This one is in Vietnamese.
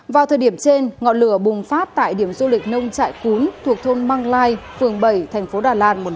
vào thời điểm trên ngọn lửa bùng phát tại điểm du lịch nông trại cúm thuộc thôn măng lai phường bảy thành phố đà lạt